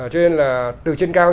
cho nên là từ trên cao